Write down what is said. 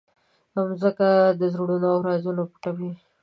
مځکه د زړونو رازونه پټوي.